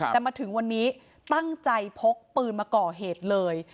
แต่มาถึงวันนี้ตั้งใจพกปืนมาก่อเหตุเลย